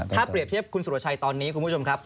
ถ้าเปรียบเทียบคุณสุรชัยตอนนี้คุณผู้ชมครับ